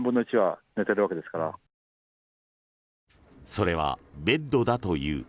それは、ベッドだという。